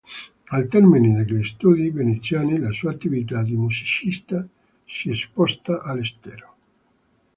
Al termine degli studi veneziani la sua attività di musicista si sposta all'estero.